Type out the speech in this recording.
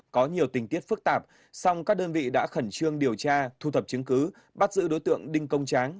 có nhiều tình tiết phức tạp song các đơn vị đã khẩn trương điều tra thu thập chứng cứ bắt giữ đối tượng đinh công tráng